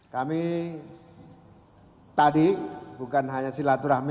kami tadi bukan hanya silaturahmi